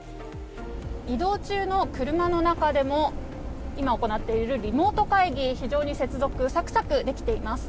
移動中の車の中でも今行っているリモート会議非常に接続はサクサクできています。